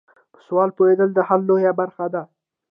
په سوال پوهیدل د حل لویه برخه ده.